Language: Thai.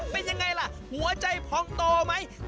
เป็นยังไงล่ะหัวใจพองโตไหม